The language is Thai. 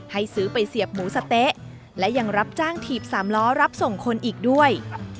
ให้ซื้อไปเสียบหมูสะเต๊ะและยังรับจ้างถีบสามล้อรับส่งคนอีกด้วย